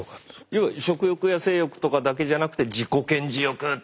要は食欲や性欲とかだけじゃなくて自己顕示欲独占